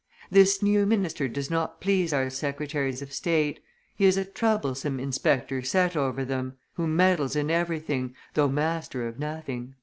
"This new minister does not please our secretaries of state. He is a troublesome inspector set over them, who meddles in everything, though master of nothing."